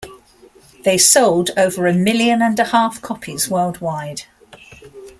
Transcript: They sold over a million and a half copies world-wide.